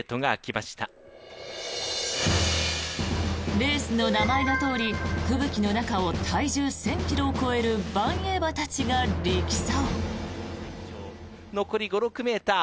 レースの名前のとおり吹雪の中を体重１０００ｋｇを超えるばんえい馬たちが力走。